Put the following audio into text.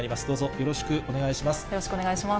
よろしくお願いします。